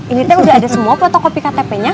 ini teh udah ada semua protokol piktp nya